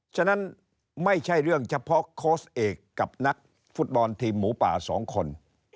ฉะนั้นไม่ใช่เรื่องเฉพาะโค้ชเอกกับนักฟุตบอลทีมหมูป่า๒คน